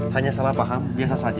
hanya salah paham biasa saja